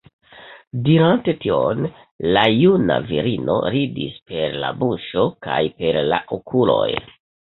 Dirante tion, la juna virino ridis per la buŝo kaj per la okuloj.